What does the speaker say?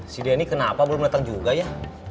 si denny kenapa belum datang juga ya